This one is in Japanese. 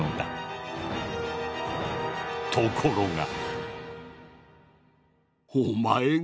ところが。